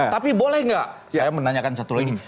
tapi boleh nggak saya menanyakan satu lagi